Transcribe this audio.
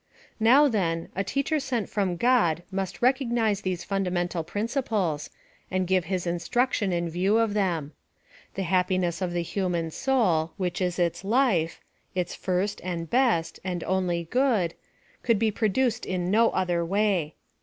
Now, then, a teacher sent from God must recog nise these fundamental principles, and give his in struction in view of them. The happiness of the human soul, which is its life — its first, and best, and only good, could be produced in no other way.